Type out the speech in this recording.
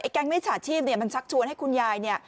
ไอ้แก๊งไม่ฉาชีพเนี้ยมันชักชวนให้คุณยายเนี้ย